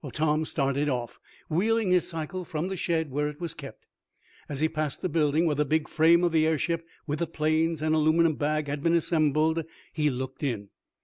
Tom started off, wheeling his cycle from the shed where it was kept. As he passed the building where the big frame of the airship, with the planes and aluminum bag had been assembled, he looked in.